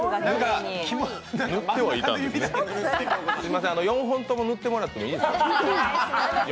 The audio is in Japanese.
すみません、４本とも塗ってもらっていいですか？